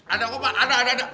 ada kok pak ada ada